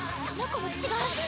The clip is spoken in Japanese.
その子も違う！